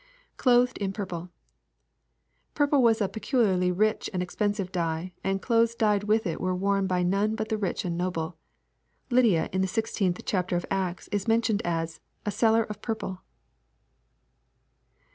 [ClotJied in purple.] Purple was a peculiarly rich and expen sive dye, and clothes dyed with it were worn by none but the rich and noble. Lydia, in the 1 6th chapter of Acts, is mentioned as a " seller of purple."